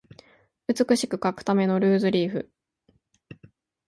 美しく書くためのルーズリーフ